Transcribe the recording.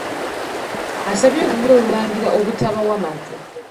Asabye Olulyo Olulangira obutabawa matu.